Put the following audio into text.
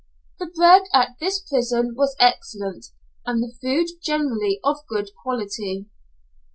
The bread at this prison was excellent, and the food generally of good quality.